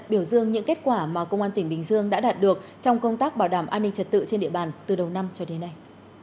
biểu dương những kết quả mà công an tỉnh bình dương đã đạt được trong công tác bảo đảm an ninh trật tự trên địa bàn từ đầu năm cho đến nay